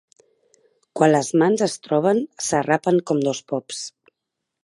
Quan les mans es troben s'arrapen com dos pops.